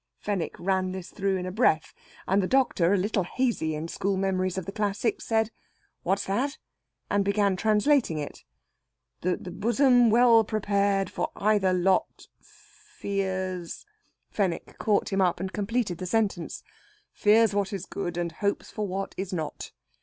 Fenwick ran this through in a breath; and the doctor, a little hazy in school memories of the classics, said, "What's that?" and began translating it "The bosom well prepared for either lot, fears...." Fenwick caught him up and completed the sentence: "Fears what is good, and hopes for what is not.